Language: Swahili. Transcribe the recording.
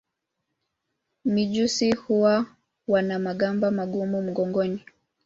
Mijusi hawa wana magamba magumu mgongoni.